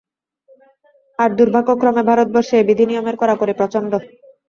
আর দুর্ভাগ্যক্রমে ভারতবর্ষে এই বিধিনিয়মের কড়াকড়ি প্রচণ্ড।